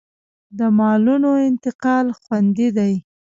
د مالونو انتقال خوندي دی